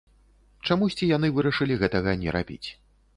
Чамусьці яны вырашылі гэтага не рабіць.